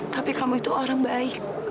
tapi kamu itu orang baik